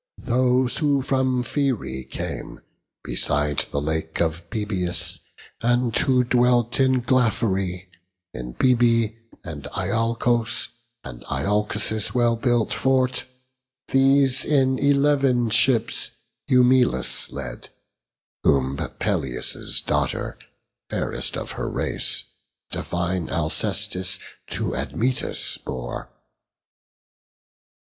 Those who from Pherae came, beside the lake Boebeis, and who dwelt in Glaphyrae, In Boebe, and Iolcos' well built fort, These in eleven ships Eumelus led, Whom Pelias' daughter, fairest of her race, Divine Alcestis to Admetus bore.